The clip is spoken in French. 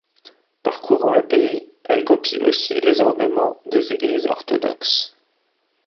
Parcourant le pays, elle copie aussi les ornements des églises orthodoxes.